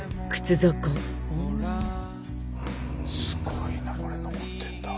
すごいなこれ残ってんだ。